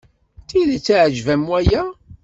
D tidet iɛjeb-am waya?